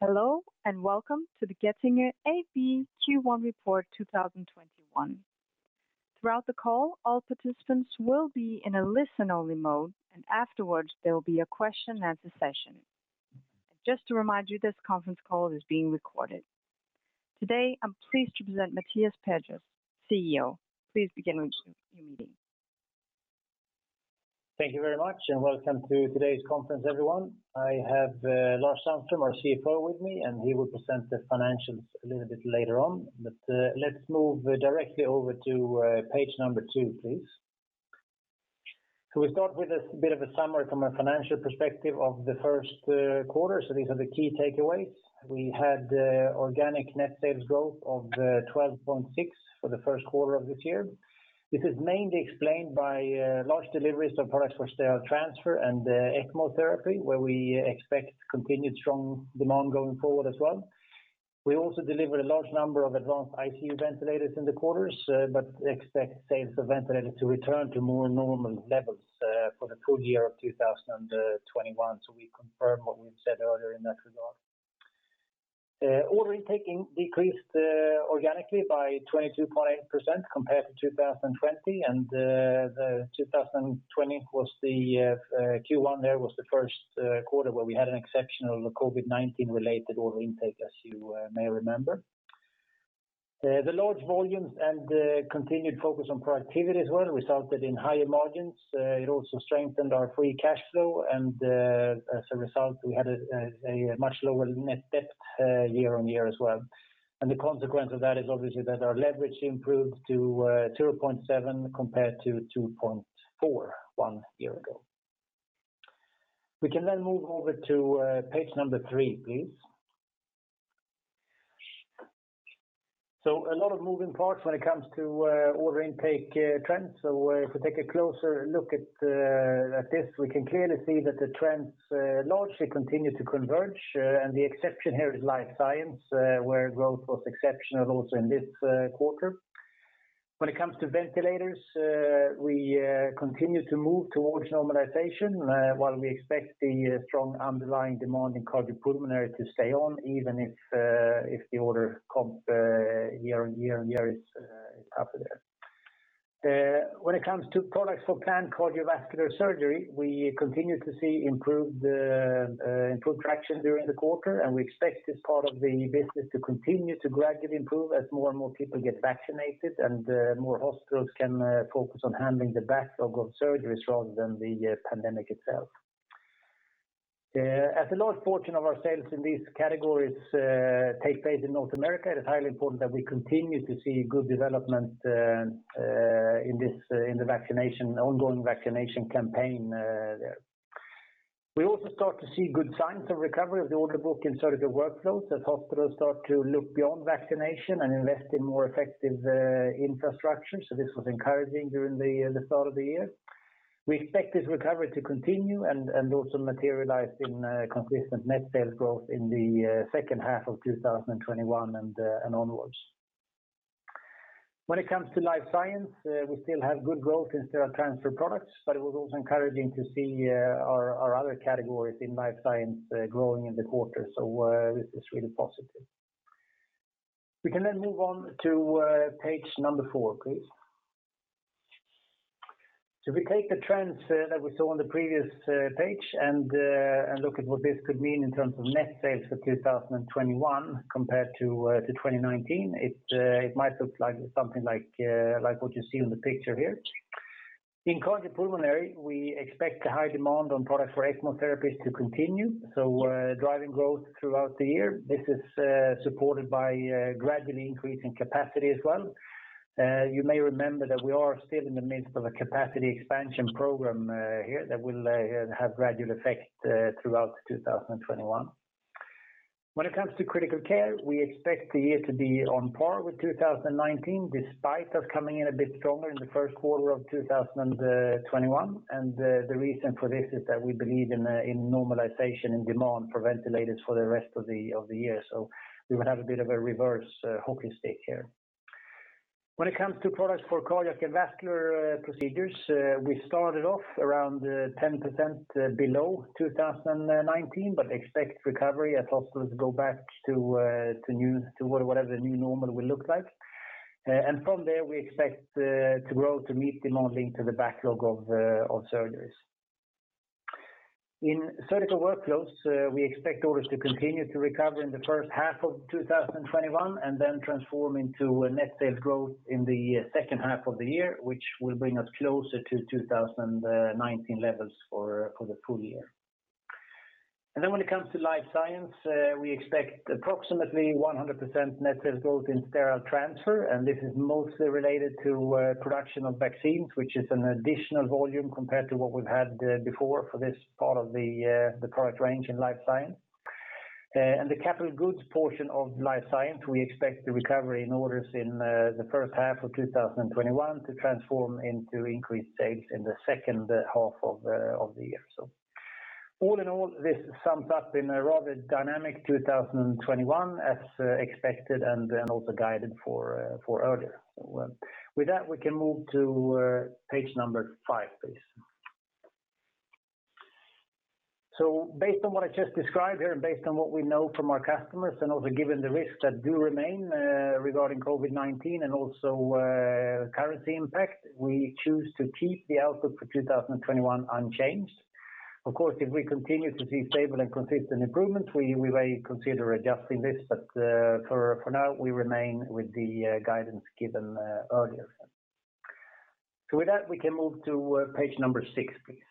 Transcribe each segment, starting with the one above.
Hello, and welcome to the Getinge AB Q1 report 2021. Throughout the call, all participants will be in a listen-only mode, and afterwards, there will be a question and answer session. Just to remind you, this conference call is being recorded. Today, I'm pleased to present Mattias Perjos, Chief Executive Officer. Please begin with your meeting. Thank you very much, welcome to today's conference, everyone. I have Lars Sandström, our Chief Financial Officer, with me, and he will present the financials a little bit later on. Let's move directly over to page number two, please. We start with a bit of a summary from a financial perspective of the first quarter. These are the key takeaways. We had organic net sales growth of 12.6% for the first quarter of this year. This is mainly explained by large deliveries of products for Sterile Transfer and ECMO therapy, where we expect continued strong demand going forward as well. We also delivered a large number of advanced ICU ventilators in the quarters, but expect sales of ventilators to return to more normal levels for the full year of 2021. We confirm what we've said earlier in that regard. Order intake decreased organically by 22.8% compared to 2020, the 2020 Q1 there was the first quarter where we had an exceptional COVID-19 related order intake, as you may remember. The large volumes and the continued focus on productivity as well resulted in higher margins. It also strengthened our free cash flow, as a result, we had a much lower net debt year-on-year as well. The consequence of that is obviously that our leverage improved to 2.7x compared to 2.4x one year ago. We can move over to page number three, please. A lot of moving parts when it comes to order intake trends. If we take a closer look at this, we can clearly see that the trends largely continue to converge. The exception here is Life Science, where growth was exceptional also in this quarter. When it comes to ventilators, we continue to move towards normalization while we expect the strong underlying demand in cardiopulmonary to stay on, even if the order comp year-over-year is up there. When it comes to products for planned cardiovascular surgery, we continue to see improved traction during the quarter. We expect this part of the business to continue to gradually improve as more and more people get vaccinated and more hospitals can focus on handling the backlog of surgeries rather than the pandemic itself. As a large portion of our sales in these categories take place in North America, it is highly important that we continue to see good development in the ongoing vaccination campaign there. We also start to see good signs of recovery of the order book in Surgical Workflows as hospitals start to look beyond vaccination and invest in more effective infrastructure. This was encouraging during the start of the year. We expect this recovery to continue and also materialize in consistent net sales growth in the second half of 2021 and onwards. When it comes to Life Science, we still have good growth in Sterile Transfer products, but it was also encouraging to see our other categories in Life Science growing in the quarter. This is really positive. We can move on to page number four, please. We take the trends that we saw on the previous page and look at what this could mean in terms of net sales for 2021 compared to 2019. It might look something like what you see on the picture here. In cardiopulmonary, we expect the high demand on products for ECMO therapies to continue, so driving growth throughout the year. This is supported by gradually increasing capacity as well. You may remember that we are still in the midst of a capacity expansion program here that will have gradual effect throughout 2021. When it comes to critical care, we expect the year to be on par with 2019, despite us coming in a bit stronger in the first quarter of 2021. The reason for this is that we believe in normalization in demand for ventilators for the rest of the year. We will have a bit of a reverse hockey stick here. When it comes to products for cardiac and vascular procedures, we started off around 10% below 2019, but expect recovery as hospitals go back to whatever the new normal will look like. From there, we expect to grow to meet demand linked to the backlog of surgeries. In Surgical Workflows, we expect orders to continue to recover in the first half of 2021 and then transform into net sales growth in the second half of the year, which will bring us closer to 2019 levels for the full year. When it comes to Life Science, we expect approximately 100% net sales growth in Sterile Transfer, and this is mostly related to production of vaccines, which is an additional volume compared to what we've had before for this part of the product range in Life Science. The capital goods portion of Life Science, we expect the recovery in orders in the first half of 2021 to transform into increased sales in the second half of the year. All in all, this sums up in a rather dynamic 2021 as expected and also guided for earlier. With that, we can move to page number five, please. Based on what I just described here, based on what we know from our customers, and also given the risks that do remain regarding COVID-19 and also currency impact, we choose to keep the outlook for 2021 unchanged. Of course, if we continue to see stable and consistent improvements, we may consider adjusting this. For now, we remain with the guidance given earlier. With that, we can move to page number six, please.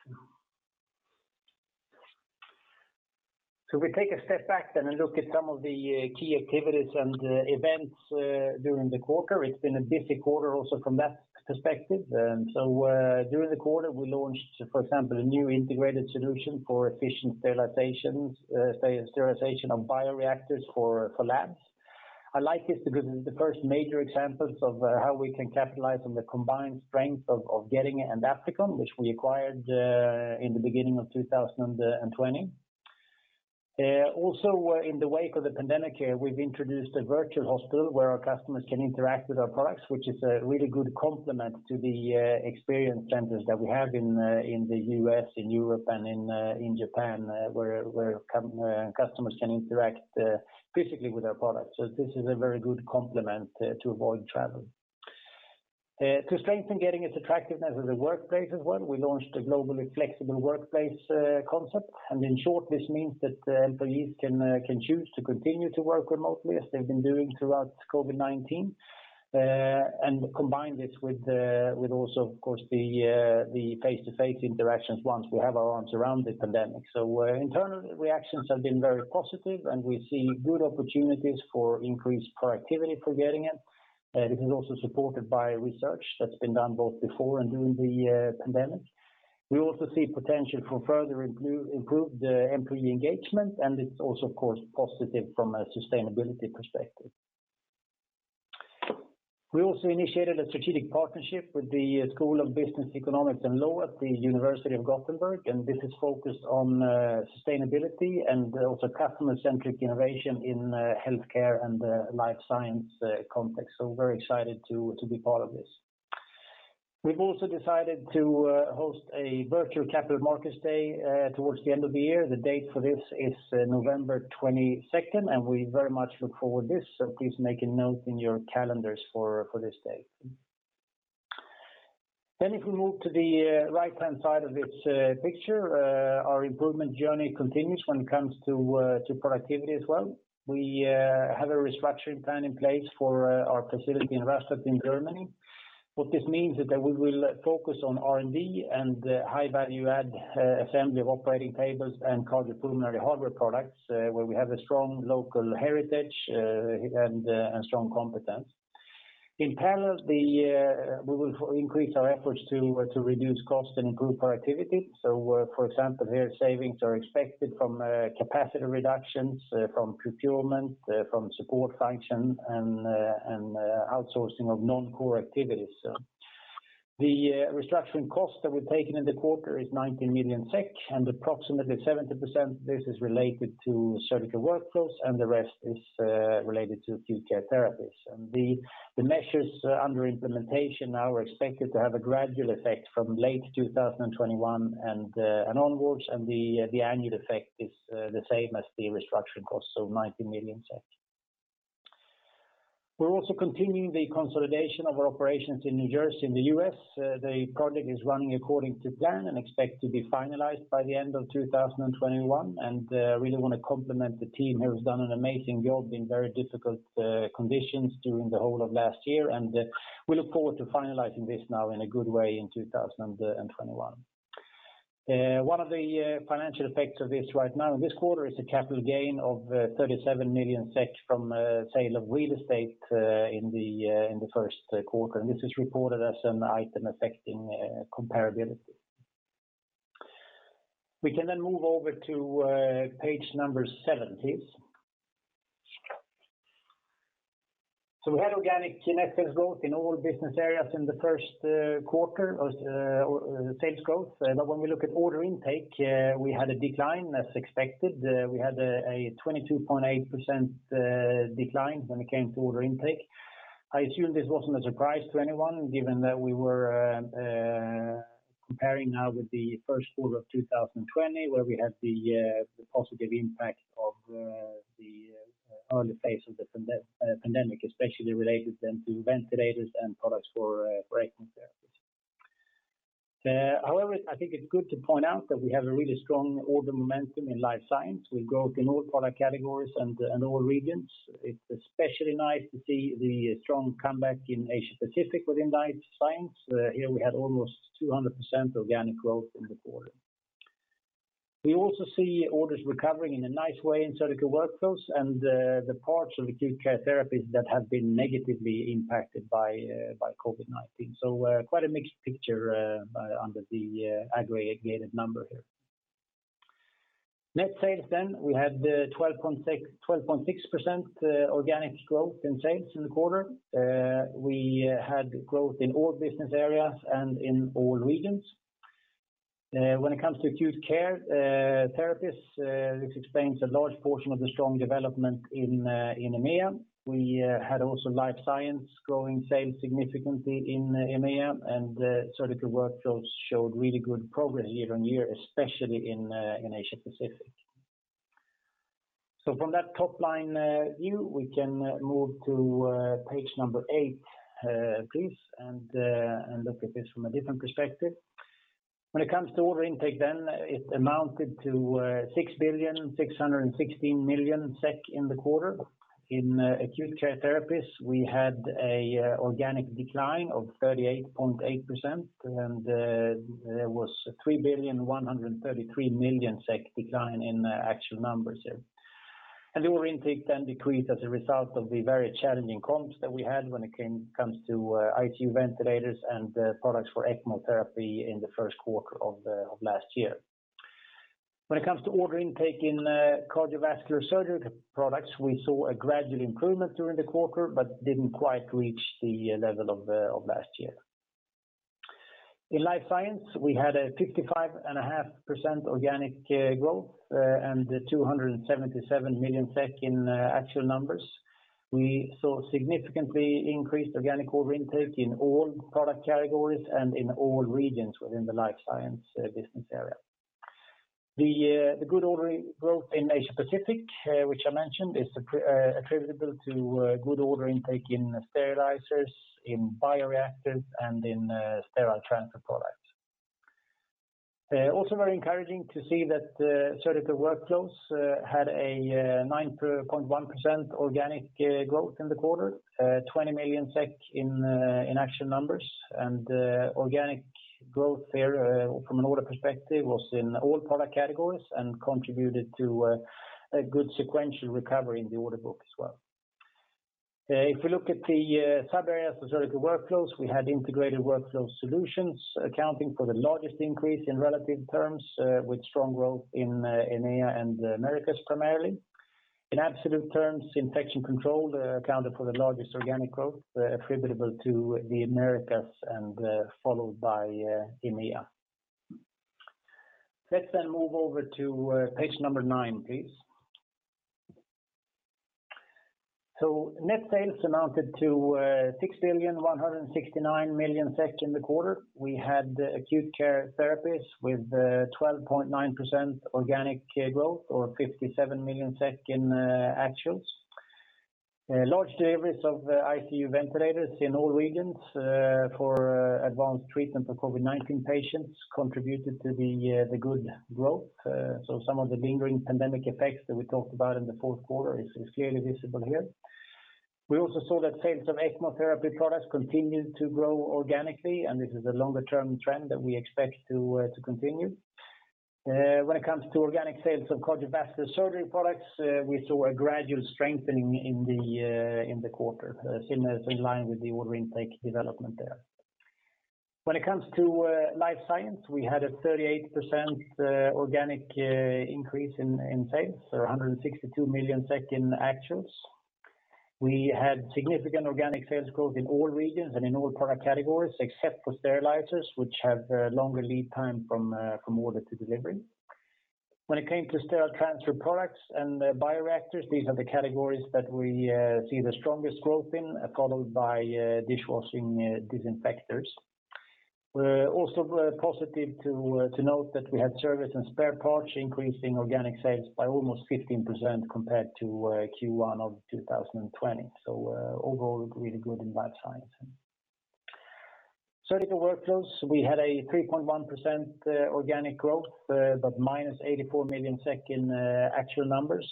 We take a step back then and look at some of the key activities and events during the quarter. It's been a busy quarter also from that perspective. During the quarter, we launched, for example, a new integrated solution for efficient sterilization of bioreactors for labs. I like this because this is the first major example of how we can capitalize on the combined strength of Getinge and Applikon, which we acquired in the beginning of 2020. In the wake of the pandemic, we've introduced a virtual hospital where our customers can interact with our products, which is a really good complement to the experience centers that we have in the U.S., in Europe, and in Japan, where customers can interact physically with our products. This is a very good complement to avoid travel. To strengthen Getinge's attractiveness as a workplace as well, we launched a globally flexible workplace concept. In short, this means that employees can choose to continue to work remotely as they've been doing throughout COVID-19, and combine this with also, of course, the face-to-face interactions once we have our arms around the pandemic. Internal reactions have been very positive, and we see good opportunities for increased productivity for Getinge. This is also supported by research that's been done both before and during the pandemic. We also see potential for further improved employee engagement, and it's also, of course, positive from a sustainability perspective. We also initiated a strategic partnership with the School of Business, Economics and Law at the University of Gothenburg, and this is focused on sustainability and also customer-centric innovation in healthcare and the Life Science context. Very excited to be part of this. We've also decided to host a virtual Capital Markets Day towards the end of the year. The date for this is November 22nd, and we very much look forward to this. Please make a note in your calendars for this day. If we move to the right-hand side of this picture, our improvement journey continues when it comes to productivity as well. We have a restructuring plan in place for our facility in Rastatt in Germany. What this means is that we will focus on R&D and high value add assembly of operating tables and cardiopulmonary hardware products, where we have a strong local heritage and strong competence. In parallel, we will increase our efforts to reduce cost and improve productivity. For example, here, savings are expected from capacity reductions from procurement, from support function, and outsourcing of non-core activities. The restructuring cost that we've taken in the quarter is 90 million SEK, and approximately 70% of this is related to Surgical Workflows, and the rest is related to Acute Care Therapies. The measures under implementation now are expected to have a gradual effect from late 2021 and onwards, and the annual effect is the same as the restructuring cost, so 90 million. We are also continuing the consolidation of our operations in New Jersey in the U.S. The project is running according to plan and expect to be finalized by the end of 2021. Really want to compliment the team, who has done an amazing job in very difficult conditions during the whole of last year. We look forward to finalizing this now in a good way in 2021. One of the financial effects of this right now in this quarter is a capital gain of 37 million SEK from sale of real estate in the first quarter. This is reported as an item affecting comparability. We can then move over to page number seven, please. We had organic sales growth in all business areas in the first quarter. When we look at order intake, we had a decline, as expected. We had a 22.8% decline when it came to order intake. I assume this wasn't a surprise to anyone, given that we were comparing now with the first quarter of 2020, where we had the positive impact of the early phase of the pandemic, especially related then to ventilators and products for breathing therapies. However, I think it's good to point out that we have a really strong order momentum in Life Science. We've grown in all product categories and in all regions. It's especially nice to see the strong comeback in Asia Pacific within Life Science. Here we had almost 200% organic growth in the quarter. We also see orders recovering in a nice way in Surgical Workflows and the parts of Acute Care Therapies that have been negatively impacted by COVID-19. Quite a mixed picture under the aggregated number here. Net sales, we had 12.6% organic growth in sales in the quarter. We had growth in all business areas and in all regions. When it comes to Acute Care Therapies, this explains a large portion of the strong development in EMEA. We had also Life Science growing sales significantly in EMEA, and Surgical Workflows showed really good progress year-over-year, especially in Asia Pacific. From that top-line view, we can move to page number 8, please, and look at this from a different perspective. When it comes to order intake, then it amounted to 6.616 billion in the quarter. In Acute Care Therapies, we had an organic decline of 38.8%, and there was a 3.133 billion decline in actual numbers there. The order intake then decreased as a result of the very challenging comps that we had when it comes to ICU ventilators and products for ECMO therapy in the first quarter of last year. When it comes to order intake in cardiovascular surgical products, we saw a gradual improvement during the quarter, but didn't quite reach the level of last year. In Life Science, we had a 55.5% organic growth, and 277 million SEK in actual numbers. We saw significantly increased organic order intake in all product categories and in all regions within the Life Science business area. The good ordering growth in Asia Pacific, which I mentioned, is attributable to good order intake in sterilizers, in bioreactors, and in Sterile Transfer products. Very encouraging to see that Surgical Workflows had a 9.1% organic growth in the quarter, 20 million SEK in actual numbers, and organic growth there from an order perspective was in all product categories and contributed to a good sequential recovery in the order book as well. We look at the sub-areas for Surgical Workflows, we had integrated workflow solutions accounting for the largest increase in relative terms, with strong growth in EMEA and the Americas primarily. In absolute terms, Infection Control accounted for the largest organic growth, attributable to the Americas and followed by EMEA. Move over to page number nine, please. Net sales amounted to 6,169 million SEK in the quarter. We had Acute Care Therapies with 12.9% organic growth, or 57 million SEK in actuals. Large deliveries of ICU ventilators in all regions for advanced treatment for COVID-19 patients contributed to the good growth. Some of the lingering pandemic effects that we talked about in the fourth quarter is clearly visible here. We also saw that sales of ECMO therapy products continued to grow organically, and this is a longer-term trend that we expect to continue. When it comes to organic sales of cardiovascular surgery products, we saw a gradual strengthening in the quarter. Similar to in line with the order intake development there. When it comes to Life Science, we had a 38% organic increase in sales or 162 million SEK in actuals. We had significant organic sales growth in all regions and in all product categories, except for sterilizers, which have a longer lead time from order to delivery. When it came to Sterile Transfer products and bioreactors, these are the categories that we see the strongest growth in, followed by washer-disinfectors. We're also positive to note that we had service and spare parts increasing organic sales by almost 15% compared to Q1 of 2020. Overall, looked really good in Life Science. Surgical Workflows, we had a 3.1% organic growth, but minus 84 million SEK in actual numbers.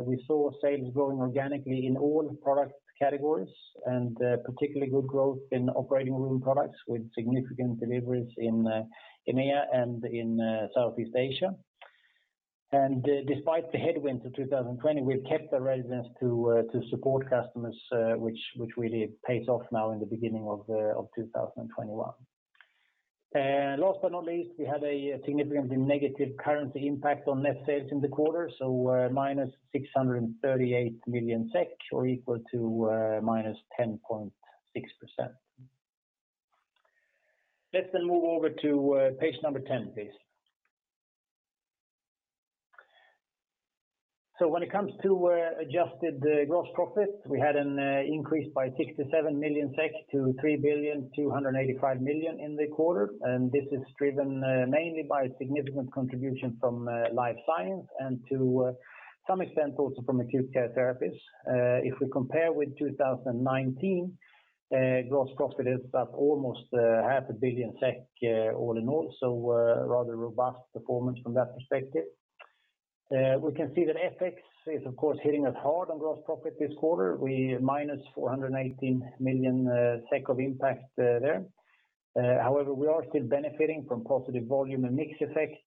We saw sales growing organically in all product categories and particularly good growth in operating room products with significant deliveries in EMEA and in Southeast Asia. Despite the headwinds of 2020, we've kept the resilience to support customers, which really pays off now in the beginning of 2021. Last but not least, we had a significantly negative currency impact on net sales in the quarter, so -638 million SEK or equal to -10.6%. Let's then move over to page number 10, please. When it comes to adjusted gross profit, we had an increase by 67 million-3.285 billion SEK In the quarter. This is driven mainly by significant contribution from Life Science and to some extent also from Acute Care Therapies. If we compare with 2019, gross profit is up almost 500 million all in all, so rather robust performance from that perspective. We can see that FX is of course hitting us hard on gross profit this quarter. We're minus 418 million SEK of impact there. However, we are still benefiting from positive volume and mix effects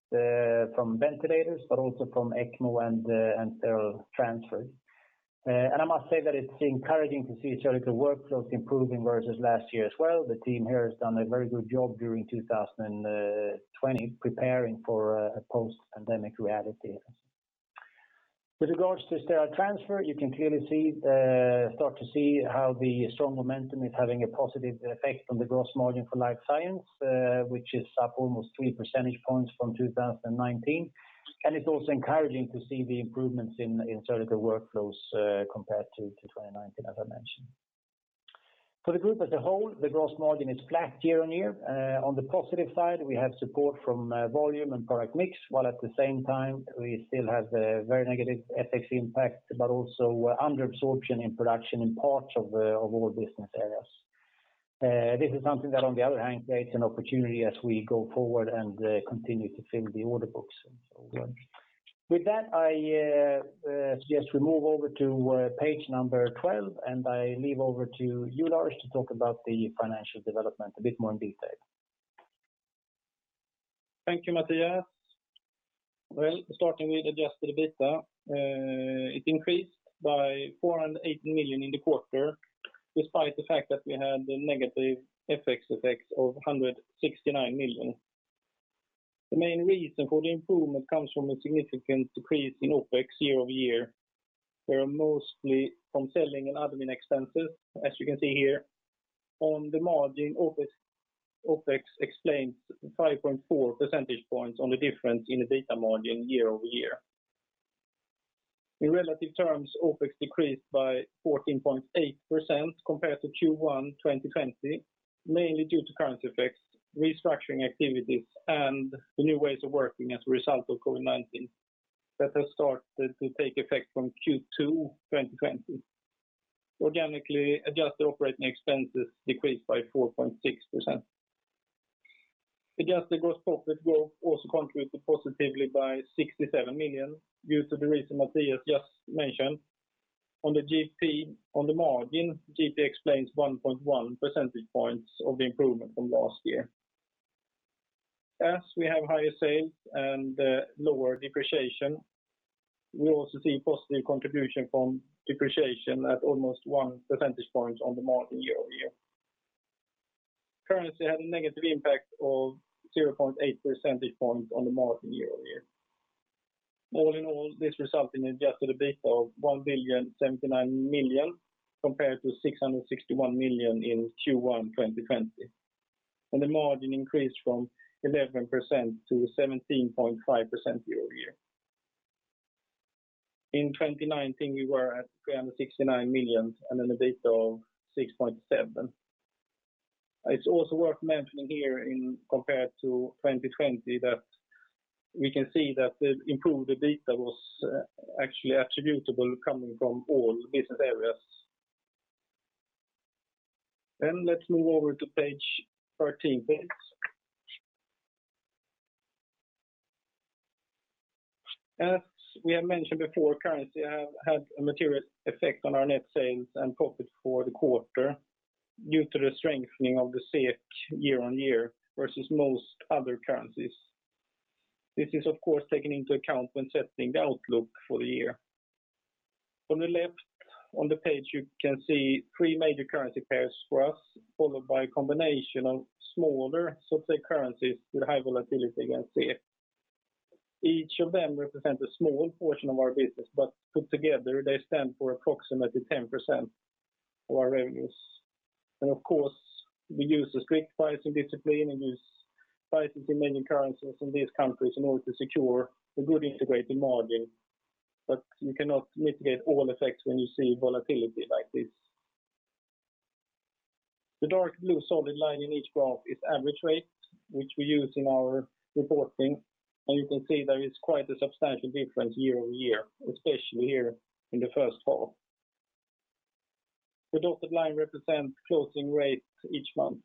from ventilators, but also from ECMO and Sterile Transfers. I must say that it's encouraging to see Surgical Workflows improving versus last year as well. The team here has done a very good job during 2020 preparing for a post-pandemic reality. With regards to Sterile Transfer, you can clearly start to see how the strong momentum is having a positive effect on the gross margin for Life Science, which is up almost three percentage points from 2019. It's also encouraging to see the improvements in Surgical Workflows, compared to 2019, as I mentioned. For the group as a whole, the gross margin is flat year-on-year. On the positive side, we have support from volume and product mix, while at the same time we still have the very negative FX impact, but also under-absorption in production in parts of our business areas. This is something that on the other hand creates an opportunity as we go forward and continue to fill the order books. With that, I suggest we move over to page number 12. I leave over to you, Lars, to talk about the financial development a bit more in detail. Thank you, Mattias. Starting with adjusted EBITDA. It increased by 480 million in the quarter, despite the fact that we had a negative FX effect of 169 million. The main reason for the improvement comes from a significant decrease in OpEx year-over-year, mostly from selling and admin expenses, as you can see here. On the margin, OpEx explains 5.4 percentage points on the difference in EBITDA margin year-over-year. In relative terms, OpEx decreased by 14.8% compared to Q1 2020, mainly due to currency effects, restructuring activities, and the new ways of working as a result of COVID-19 that has started to take effect from Q2 2020. Organically, adjusted operating expenses decreased by 4.6%. Adjusted gross profit growth also contributed positively by 67 million due to the reason Mattias just mentioned. On the margin, GP explains 1.1 percentage points of the improvement from last year. As we have higher sales and lower depreciation, we also see positive contribution from depreciation at almost 1 percentage point on the margin year-over-year. Currency had a negative impact of 0.8 percentage points on the margin year-over-year. All in all, this resulted in adjusted EBITDA of 1.079 billion compared to 661 million in Q1 2020. The margin increased from 11% to 17.5% year-over-year. In 2019, we were at 369 million and an EBITDA of 6.7%. It's also worth mentioning here compared to 2020 that we can see that the improved EBITDA was actually attributable coming from all business areas. Let's move over to page 13, please. As we have mentioned before, currency has had a material effect on our net sales and profit for the quarter due to the strengthening of the SEK year-on-year versus most other currencies. This is, of course, taken into account when setting the outlook for the year. On the left on the page, you can see three major currency pairs for us, followed by a combination of smaller currencies with high volatility against SEK. Each of them represent a small portion of our business. Put together, they stand for approximately 10% of our revenues. Of course, we use a strict pricing discipline and use pricing in many currencies in these countries in order to secure a good integrated margin. You cannot mitigate all effects when you see volatility like this. The dark blue solid line in each graph is average rate, which we use in our reporting. You can see there is quite a substantial difference year-over-year, especially here in the first half. The dotted line represents closing rates each month.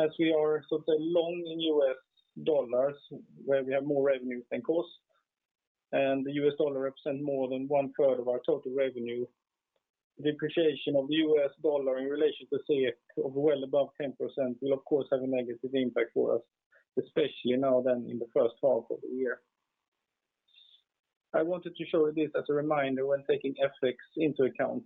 As we are long in US dollars where we have more revenue than cost, and the US dollar represents more than 1/3 of our total revenue, depreciation of the US dollar in relation to SEK of well above 10% will, of course, have a negative impact for us, especially now than in the first half of the year. I wanted to show this as a reminder when taking FX into account.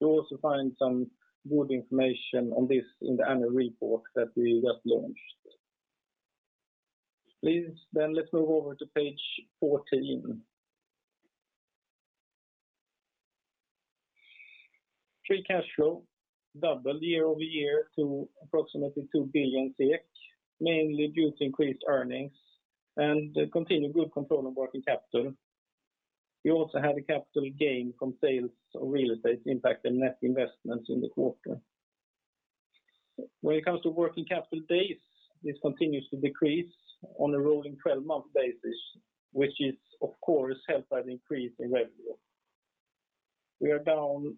You will also find some good information on this in the annual report that we just launched. Please, let's move over to page 14. Free cash flow doubled year-over-year to approximately 2 billion, mainly due to increased earnings and continued good control of working capital. We also had a capital gain from sales of real estate impacting net investments in the quarter. When it comes to working capital days, this continues to decrease on a rolling 12-month basis, which is of course helped by the increase in revenue. We are down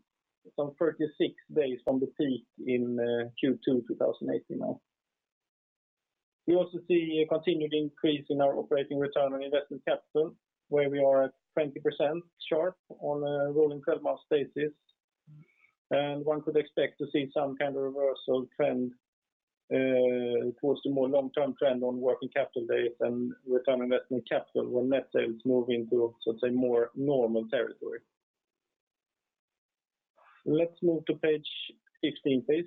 some 36 days from the peak in Q2 2018 now. We also see a continued increase in our operating return on invested capital, where we are at 20% sharp on a rolling 12-month basis. One could expect to see some kind of reversal trend towards the more long-term trend on working capital days and return on invested capital when net sales move into more normal territory. Let's move to page 15, please.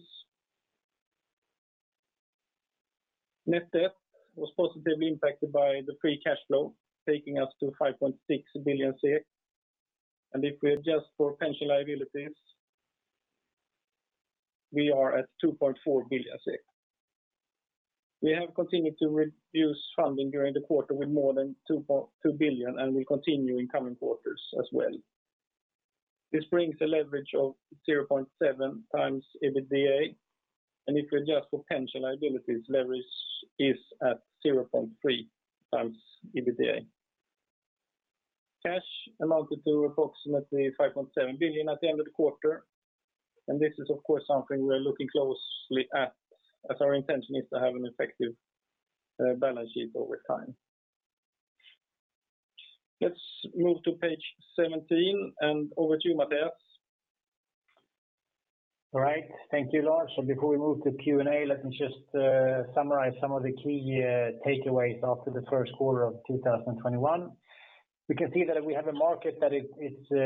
Net debt was positively impacted by the free cash flow, taking us to 5.6 billion. If we adjust for pension liabilities, we are at 2.4 billion. We have continued to reduce funding during the quarter with more than 2 billion and will continue in coming quarters as well. This brings a leverage of 0.7x EBITDA, and if we adjust for potential liabilities, leverage is at 0.3x EBITDA. Cash amounted to approximately 5.7 billion at the end of the quarter, and this is, of course, something we are looking closely at, as our intention is to have an effective balance sheet over time. Let's move to page 17, and over to you, Mattias. All right. Thank you, Lars. Before we move to Q&A, let me just summarize some of the key takeaways after the first quarter of 2021. We can see that we have a market that is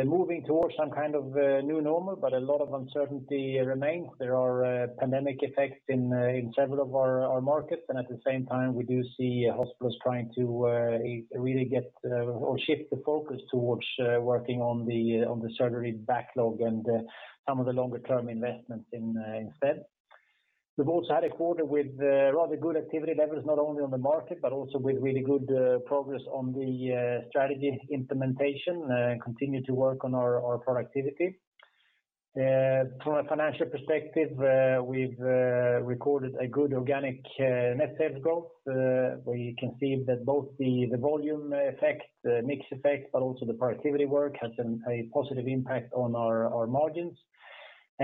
moving towards some kind of new normal, but a lot of uncertainty remains. There are pandemic effects in several of our markets. At the same time, we do see hospitals trying to really get or shift the focus towards working on the surgery backlog and some of the longer-term investments instead. We've also had a quarter with rather good activity levels, not only on the market but also with really good progress on the strategy implementation, continue to work on our productivity. From a financial perspective, we've recorded a good organic net sales growth. We can see that both the volume effect, the mix effect, but also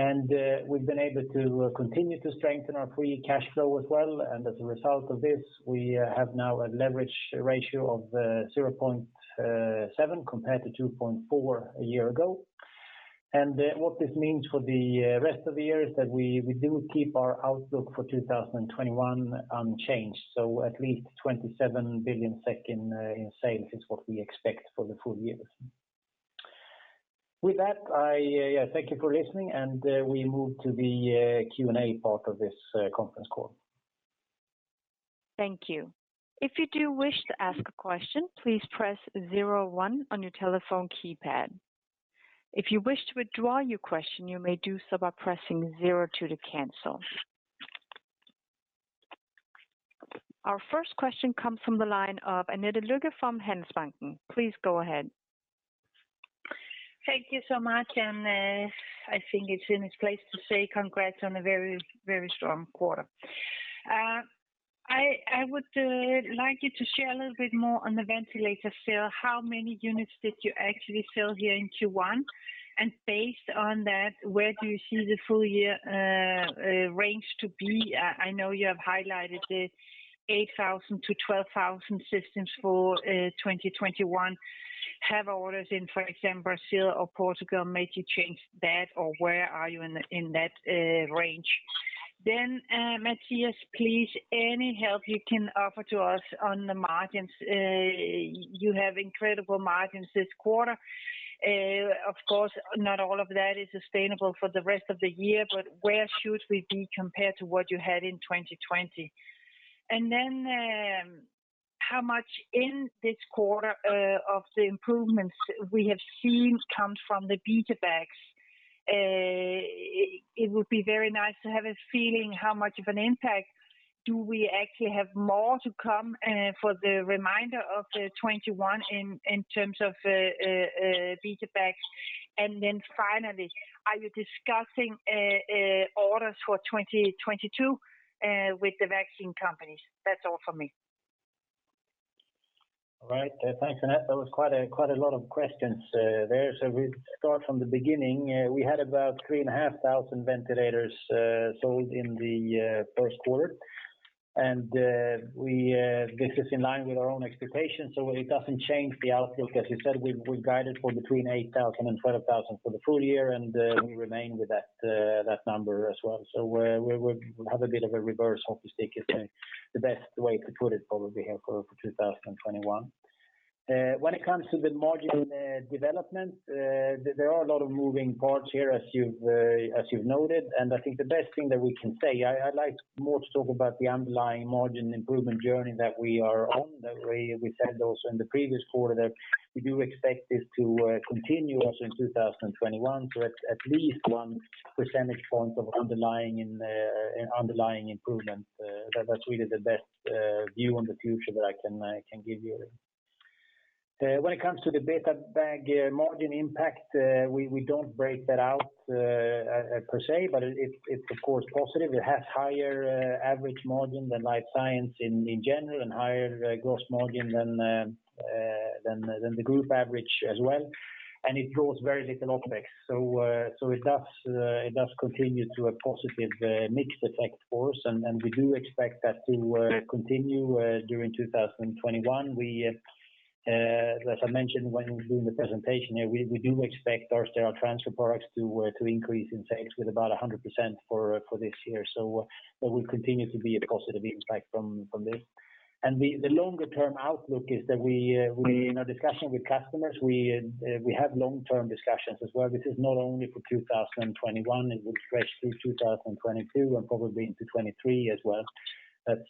the productivity work had a positive impact on our margins. We've been able to continue to strengthen our free cash flow as well. As a result of this, we have now a leverage ratio of 0.7x compared to 2.4x a year ago. What this means for the rest of the year is that we do keep our outlook for 2021 unchanged. At least 27 billion in sales is what we expect for the full year. With that, I thank you for listening, and we move to the Q&A part of this conference call. Thank you. If you do wish to ask a question, please press zero one on your telephone keypad. If you wish to withdraw your question, you may do so by pressing zero two to cancel. Our first question comes from the line of Annette Lykke from Handelsbanken. Please go ahead. Thank you so much. I think it's in its place to say congrats on a very, very strong quarter. I would like you to share a little bit more on the ventilator sale. How many units did you actually sell here in Q1? Based on that, where do you see the full year range to be? I know you have highlighted the 8,000 systems-12,000 systems for 2021. Have orders in, for example, Brazil or Portugal made you change that? Where are you in that range? Mattias Perjos, please, any help you can offer to us on the margins. You have incredible margins this quarter. Of course, not all of that is sustainable for the rest of the year, but where should we be compared to what you had in 2020? How much in this quarter of the improvements we have seen comes from the BetaBags? It would be very nice to have a feeling how much of an impact do we actually have more to come for the remainder of 2021 in terms of BetaBags. Finally, are you discussing orders for 2022 with the vaccine companies? That's all from me. All right. Thanks, Annette. That was quite a lot of questions there. We start from the beginning. We had about 3,500 ventilators sold in the first quarter. This is in line with our own expectations, so it doesn't change the outlook. As you said, we've guided for between 8,000 systems-12,000 systems for the full year, and we remain with that number as well. We have a bit of a reverse hockey stick is the best way to put it probably here for 2021. When it comes to the margin development, there are a lot of moving parts here as you've noted, and I think the best thing that we can say, I like more to talk about the underlying margin improvement journey that we are on. We said also in the previous quarter that we do expect this to continue also in 2021. At least 1 percentage point of underlying improvement. That's really the best view on the future that I can give you. When it comes to the BetaBag margin impact, we don't break that out per se, but it's of course positive. It has higher average margin than Life Science in general and higher gross margin than the group average as well. It draws very little OpEx. It does continue to a positive mixed effect for us, and we do expect that to continue during 2021. As I mentioned when doing the presentation here, we do expect our Sterile Transfer products to increase in sales with about 100% for this year. There will continue to be a positive impact from this. The longer-term outlook is that we in our discussion with customers, we have long-term discussions as well. This is not only for 2021. It will stretch through 2022 and probably into 2023 as well.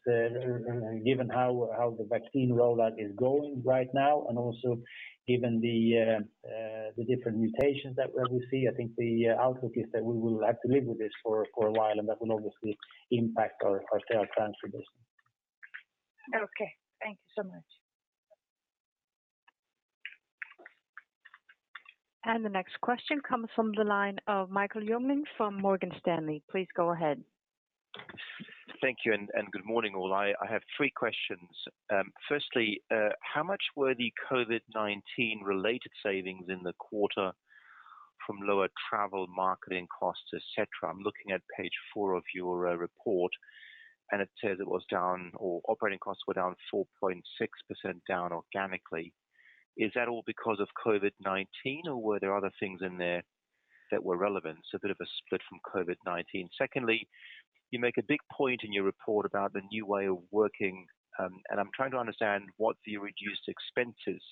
Given how the vaccine rollout is going right now and also given the different mutations that we see, I think the outlook is that we will have to live with this for a while, and that will obviously impact our Sterile Transfer business. Okay. Thank you so much. The next question comes from the line of Michael Jüngling from Morgan Stanley. Please go ahead. Thank you, and good morning, all. I have three questions. Firstly, how much were the COVID-19 related savings in the quarter from lower travel marketing costs, et cetera? I'm looking at page four of your report, and it says operating costs were down 4.6% down organically. Is that all because of COVID-19, or were there other things in there that were relevant, so a bit of a split from COVID-19? Secondly, you make a big point in your report about the new way of working, and I'm trying to understand what the reduced expenses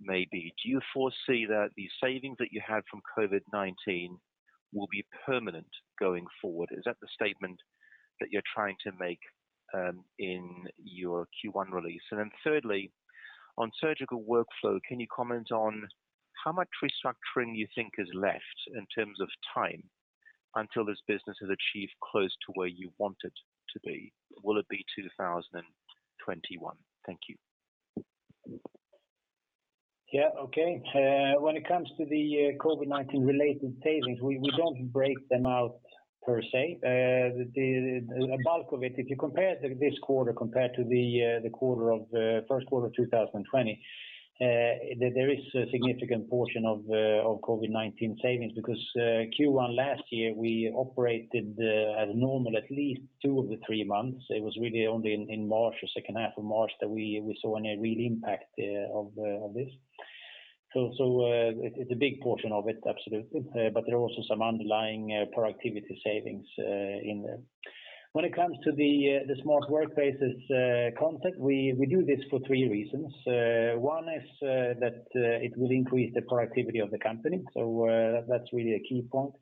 may be. Do you foresee that the savings that you had from COVID-19 will be permanent going forward? Is that the statement that you're trying to make in your Q1 release? Thirdly, on Surgical Workflows, can you comment on how much restructuring you think is left in terms of time until this business has achieved close to where you want it to be? Will it be 2021? Thank you. Yeah. Okay. When it comes to the COVID-19 related savings, we don't break them out per se. The bulk of it, if you compare this quarter compared to the first quarter of 2020, there is a significant portion of COVID-19 savings because Q1 last year, we operated as normal at least two of the three months. It was really only in March or second half of March that we saw any real impact of this. It's a big portion of it, absolutely. There are also some underlying productivity savings in there. When it comes to the smart workspaces concept, we do this for three reasons. One is that it will increase the productivity of the company. That's really a key point.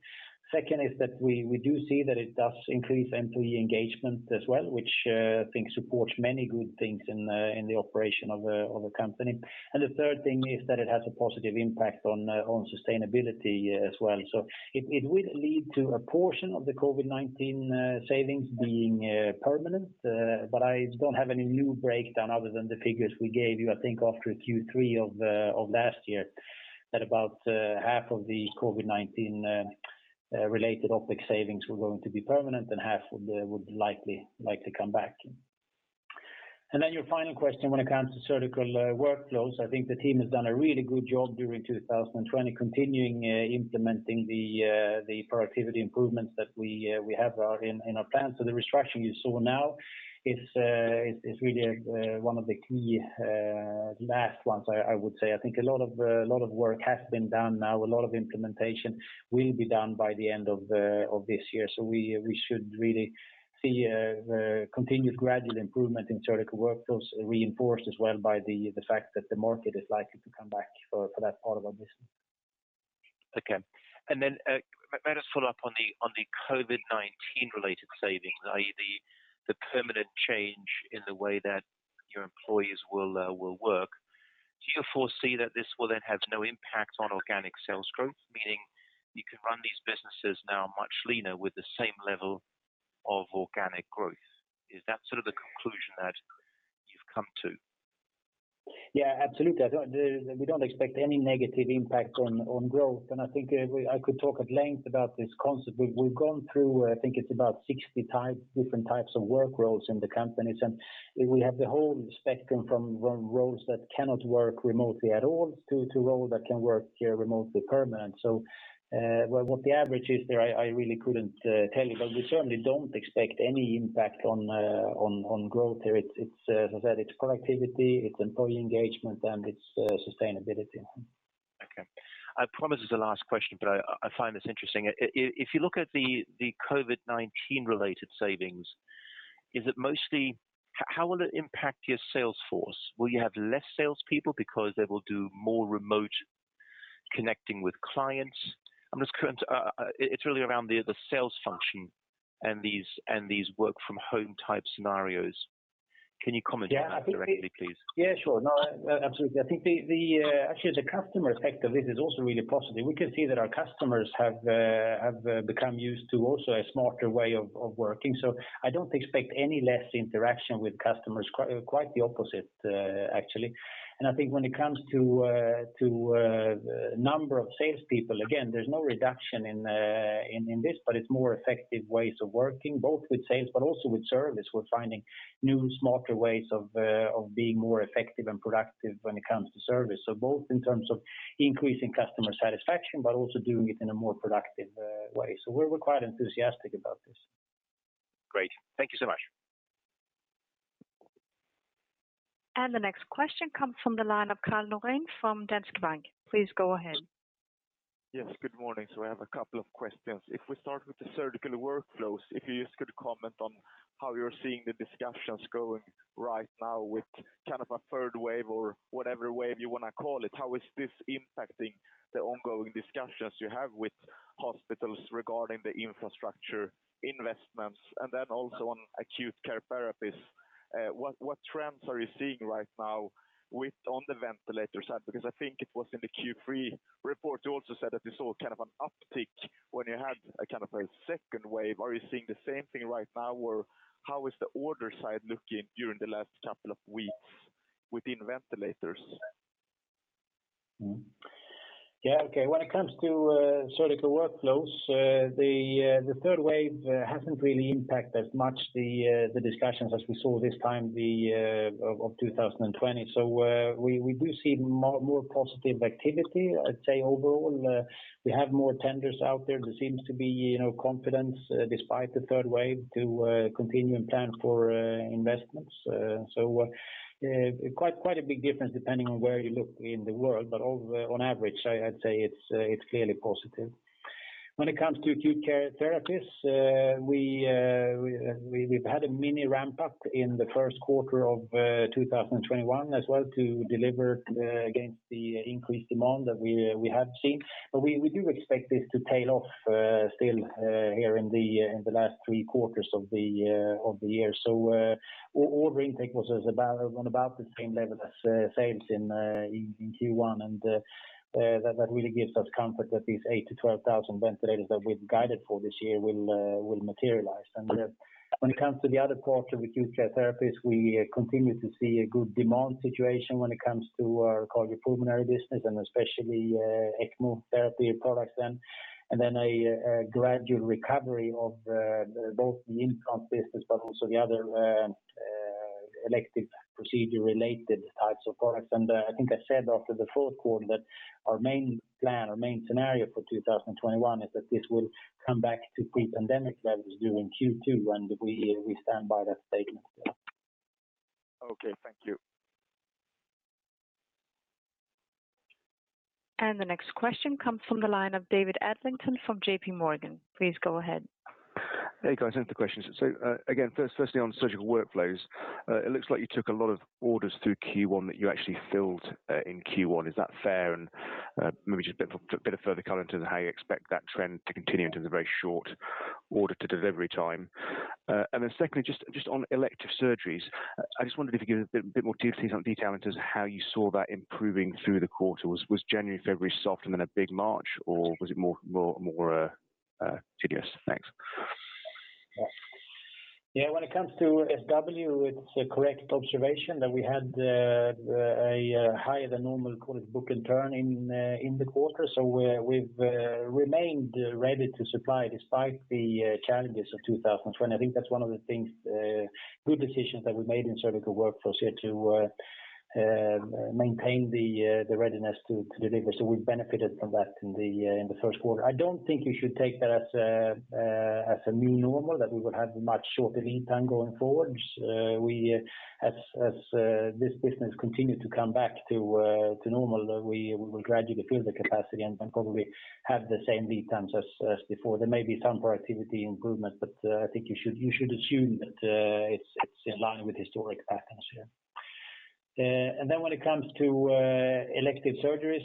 Second is that we do see that it does increase employee engagement as well, which I think supports many good things in the operation of a company. The third thing is that it has a positive impact on sustainability as well. It will lead to a portion of the COVID-19 savings being permanent. I don't have any new breakdown other than the figures we gave you, I think after Q3 of last year, that about half of the COVID-19 related OpEx savings were going to be permanent and half would likely come back. Your final question, when it comes to Surgical Workflows, I think the team has done a really good job during 2020 continuing implementing the productivity improvements that we have in our plan. The restructuring you saw now is really one of the key last ones, I would say. I think a lot of work has been done now. A lot of implementation will be done by the end of this year. We should really see a continued gradual improvement in Surgical Workflows reinforced as well by the fact that the market is likely to come back for that part of our business. Okay. Let us follow up on the COVID-19 related savings, i.e., the permanent change in the way that your employees will work. Do you foresee that this will then have no impact on organic sales growth? Meaning you can run these businesses now much leaner with the same level of organic growth. Is that sort of the conclusion that you've come to? Yeah, absolutely. We don't expect any negative impact on growth. I think I could talk at length about this concept. We've gone through, I think it's about 60 different types of work roles in the companies. We have the whole spectrum from roles that cannot work remotely at all to role that can work remotely permanent. What the average is there, I really couldn't tell you. We certainly don't expect any impact on growth here. As I said, it's productivity, it's employee engagement, and it's sustainability. Okay. I promise this is the last question. I find this interesting. If you look at the COVID-19 related savings, how will it impact your sales force? Will you have less salespeople because they will do more remote connecting with clients? It's really around the sales function and these work from home type scenarios. Can you comment on that directly, please? Yeah, sure. No, absolutely. I think actually the customer effect of this is also really positive. We can see that our customers have become used to also a smarter way of working. I don't expect any less interaction with customers. Quite the opposite, actually. I think when it comes to number of salespeople, again, there's no reduction in this, but it's more effective ways of working, both with sales, but also with service. We're finding new, smarter ways of being more effective and productive when it comes to service. Both in terms of increasing customer satisfaction, but also doing it in a more productive way. We're quite enthusiastic about this. Great. Thank you so much. The next question comes from the line of Carl Norén from Danske Bank. Please go ahead. Yes, good morning. I have a couple of questions. If we start with the Surgical Workflows, if you just could comment on how you're seeing the discussions going right now with kind of a third wave or whatever wave you want to call it. How is this impacting the ongoing discussions you have with hospitals regarding the infrastructure investments? Also on Acute Care Therapies, what trends are you seeing right now on the ventilator side? I think it was in the Q3 report, you also said that you saw kind of an uptick when you had a kind of a second wave. Are you seeing the same thing right now? How is the order side looking during the last couple of weeks within ventilators? Yeah, okay. When it comes to Surgical Workflows, the third wave hasn't really impacted as much the discussions as we saw this time of 2020. We do see more positive activity, I'd say, overall. We have more tenders out there. There seems to be confidence despite the third wave to continue and plan for investments. Quite a big difference depending on where you look in the world. On average, I'd say it's clearly positive. When it comes to Acute Care Therapies, we've had a mini ramp-up in the first quarter of 2021 as well to deliver against the increased demand that we have seen. We do expect this to tail off still here in the last three quarters of the year. Order intake was on about the same level as sales in Q1, and that really gives us comfort that these 8,000 systems-12,000 systems ventilators that we've guided for this year will materialize. When it comes to the other part with Acute Care Therapies, we continue to see a good demand situation when it comes to our cardiopulmonary business and especially ECMO therapy products then. A gradual recovery of both the income business but also the other elective procedure related types of products. I think I said after the fourth quarter that our main plan, our main scenario for 2021 is that this will come back to pre-pandemic levels during Q2, and we stand by that statement still. Okay, thank you. The next question comes from the line of David Adlington from JPMorgan. Please go ahead. Hey, guys. I have two questions. Again, firstly on Surgical Workflows, it looks like you took a lot of orders through Q1 that you actually filled in Q1. Is that fair? Maybe just a bit of further color into how you expect that trend to continue into the very short order to delivery time. Secondly, just on elective surgeries, I just wondered if you could give a bit more detail in terms of how you saw that improving through the quarter. Was January, February soft and then a big March, or was it more tedious? Thanks. When it comes to SW, it's a correct observation that we had a higher than normal call it book-to-bill in the quarter. We've remained ready to supply despite the challenges of 2020. I think that's one of the good decisions that we made in Surgical Workflows here to maintain the readiness to deliver. We benefited from that in the first quarter. I don't think you should take that as a new normal, that we would have much shorter lead time going forward. As this business continues to come back to normal, we will gradually fill the capacity and probably have the same lead times as before. There may be some productivity improvement, but I think you should assume that it's in line with historic patterns here. When it comes to elective surgeries,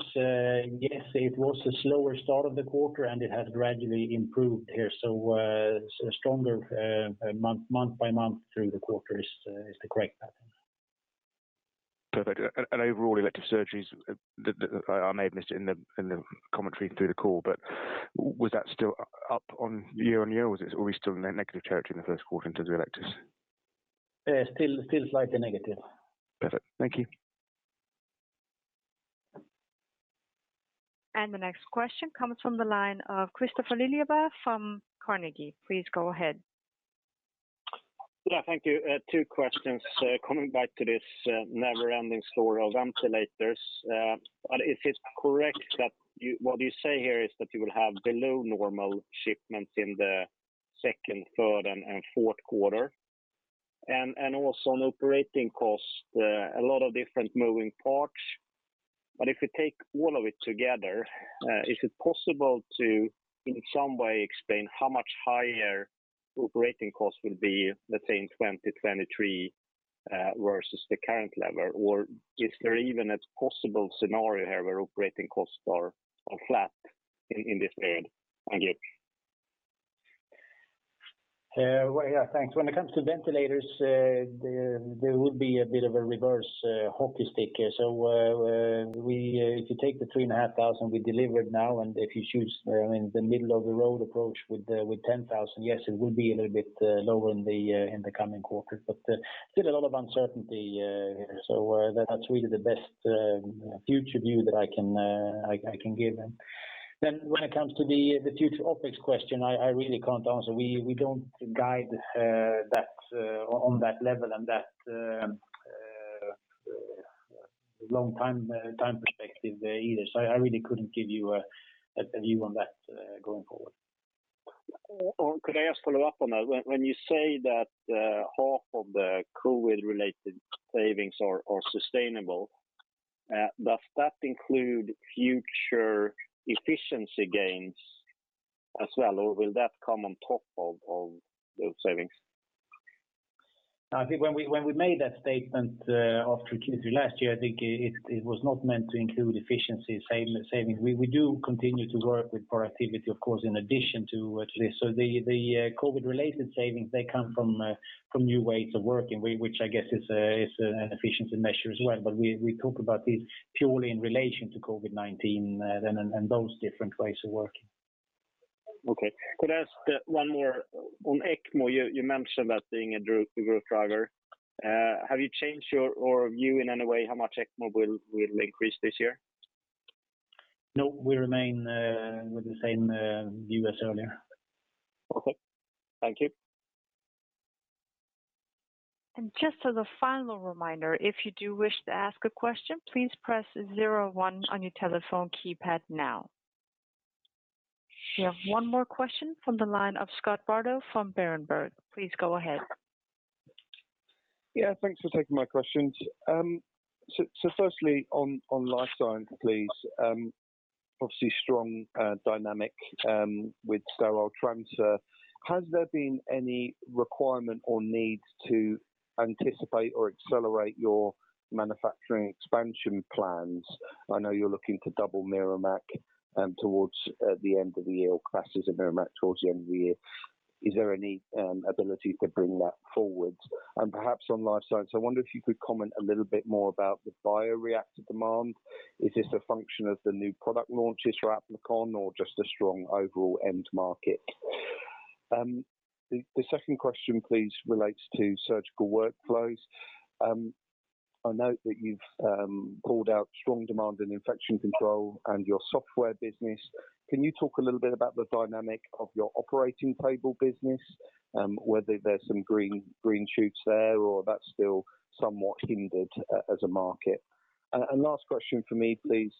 yes, it was a slower start of the quarter, and it has gradually improved here. Stronger month by month through the quarter is the correct pattern. Perfect. Overall elective surgeries, I may have missed it in the commentary through the call, but was that still up on year-on-year, or are we still in a negative territory in the first quarter in terms of electives? Still slightly negative. Perfect. Thank you. The next question comes from the line of Christopher Liljeberg from Carnegie. Please go ahead. Yeah, thank you. Two questions. Coming back to this never-ending story of ventilators. Is it correct that what you say here is that you will have below normal shipments in the second, third, and fourth quarter? Also on operating cost, a lot of different moving parts. If we take all of it together, is it possible to, in some way, explain how much higher operating cost will be, let's say, in 2023 versus the current level? Is there even a possible scenario here where operating costs are flat in this period? Thank you. Yeah. Thanks. When it comes to ventilators, there will be a bit of a reverse hockey stick here. If you take the 3,500 we delivered now, and if you choose the middle of the road approach with 10,000, yes, it will be a little bit lower in the coming quarters, but still a lot of uncertainty here. That's really the best future view that I can give. When it comes to the future OpEx question, I really can't answer. We don't guide on that level and that long time perspective either. I really couldn't give you a view on that going forward. Could I just follow up on that? When you say that half of the COVID-related savings are sustainable, does that include future efficiency gains as well, or will that come on top of those savings? I think when we made that statement after Q3 last year, I think it was not meant to include efficiency savings. We do continue to work with productivity, of course, in addition to this. The COVID-related savings, they come from new ways of working, which I guess is an efficiency measure as well. We talk about this purely in relation to COVID-19 and those different ways of working. Okay. Could I ask one more? On ECMO, you mentioned that being a growth driver. Have you changed your view in any way how much ECMO will increase this year? No, we remain with the same view as earlier. Okay. Thank you. Just as a final reminder, if you do wish to ask a question, please press zero one on your telephone keypad now. We have one more question from the line of Scott Bardo from Berenberg. Please go ahead. Yeah. Thanks for taking my questions. Firstly, on Life Science please. Obviously strong dynamic with Sterile Transfer. Has there been any requirement or need to anticipate or accelerate your manufacturing expansion plans? I know you're looking to double Merrimack towards the end of the year, or capacity of Merrimack towards the end of the year. Is there any ability to bring that forward? Perhaps on Life Science, I wonder if you could comment a little bit more about the bioreactor demand. Is this a function of the new product launches for Applikon or just a strong overall end market? The second question please, relates to Surgical Workflows. I note that you've called out strong demand in infection control and your software business. Can you talk a little bit about the dynamic of your operating table business? Whether there's some green shoots there or that is still somewhat hindered as a market. Last question from me, please.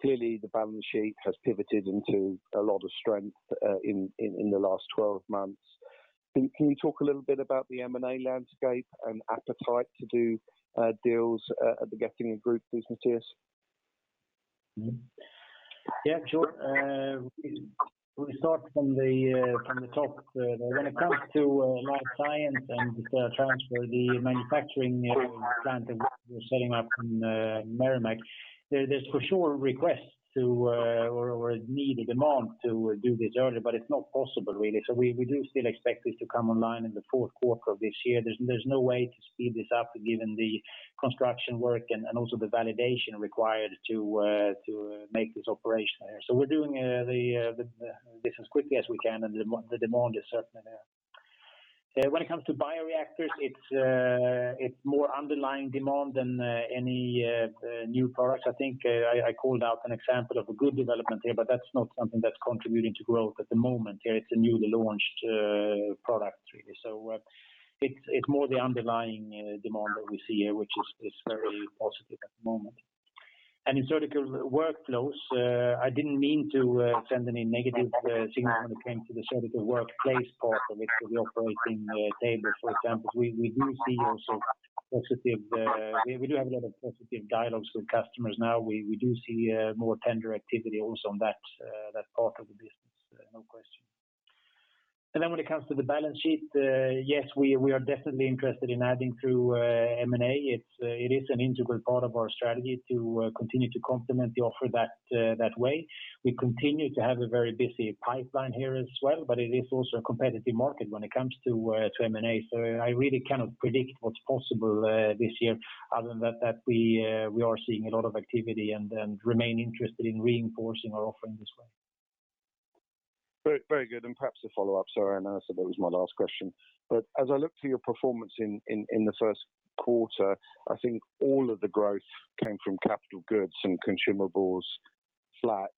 Clearly, the balance sheet has pivoted into a lot of strength in the last 12 months. Can you talk a little bit about the M&A landscape and appetite to do deals at the Getinge Group, please, Mattias? We start from the top. When it comes to Life Science and transfer the manufacturing plant that we're setting up in Merrimack, there's for sure requests to, or a need, a demand to do this early, but it's not possible, really. We do still expect this to come online in the fourth quarter of this year. There's no way to speed this up given the construction work and also the validation required to make this operation there. We're doing this as quickly as we can and the demand is certainly there. When it comes to bioreactors, it's more underlying demand than any new products. I think I called out an example of a good development here, but that's not something that's contributing to growth at the moment here. It's a newly launched product, really. It's more the underlying demand that we see here, which is very positive at the moment. In Surgical Workflows, I didn't mean to send any negative signal when it came to the surgical workplace part of it, to the operating table, for example. We do have a lot of positive dialogues with customers now. We do see more tender activity also on that part of the business, no question. When it comes to the balance sheet, yes, we are definitely interested in adding through M&A. It is an integral part of our strategy to continue to complement the offer that way. We continue to have a very busy pipeline here as well. It is also a competitive market when it comes to M&A. I really cannot predict what's possible this year other than that we are seeing a lot of activity and remain interested in reinforcing our offering this way. Very good. Perhaps a follow-up. Sorry, I know I said that was my last question. As I look to your performance in the first quarter, I think all of the growth came from capital goods and consumables flat.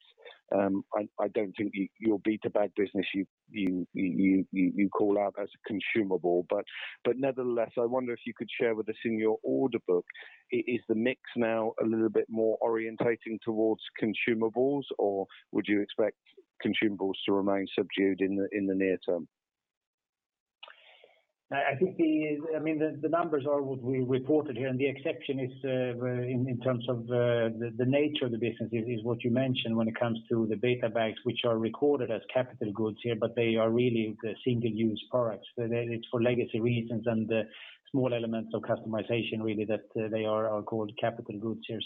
I don't think your BetaBag business you call out as a consumable. Nevertheless, I wonder if you could share with us in your order book, is the mix now a little bit more orientating towards consumables or would you expect consumables to remain subdued in the near term? The numbers are what we reported here, and the exception is in terms of the nature of the business is what you mentioned when it comes to the BetaBags, which are recorded as capital goods here, but they are really single-use products. It's for legacy reasons and small elements of customization, really, that they are called capital goods here.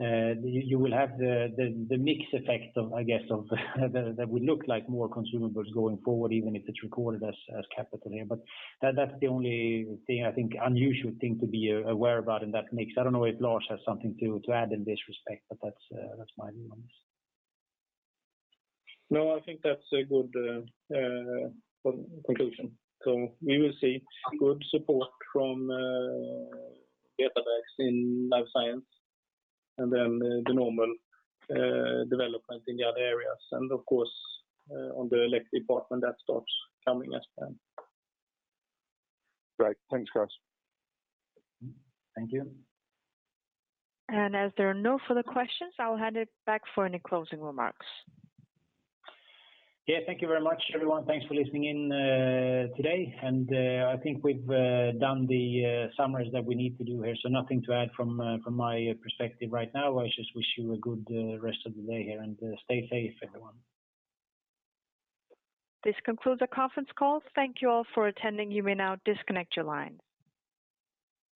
You will have the mix effect, I guess, that would look like more consumables going forward, even if it's recorded as capital here. That's the only thing I think unusual thing to be aware about in that mix. I don't know if Lars has something to add in this respect, but that's my view on this. No, I think that's a good conclusion. We will see good support from BetaBags in Life Science and then the normal development in the other areas. Of course, on the elective part when that starts coming as planned. Great. Thanks, guys. Thank you. As there are no further questions, I will hand it back for any closing remarks. Yeah. Thank you very much, everyone. Thanks for listening in today. I think we've done the summaries that we need to do here. Nothing to add from my perspective right now. I just wish you a good rest of the day here, and stay safe, everyone. This concludes our conference call. Thank you all for attending. You may now disconnect your line.